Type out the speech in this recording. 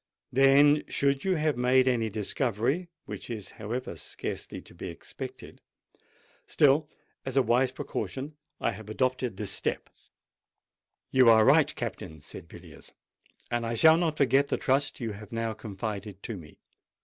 Then, should you have made any discovery—which is however scarcely to be expected—still, as a wise precaution, I have adopted this step——" "You are right, Captain," said Villiers; "and I shall not forget the trust you have now confided to me.